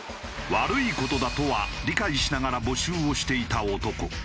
悪い事だとは理解しながら募集をしていた男。